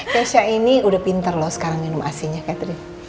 keisha ini sudah pintar loh sekarang minum asinnya catherine